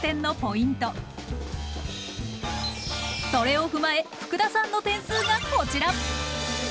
それを踏まえ福田さんの点数がこちら。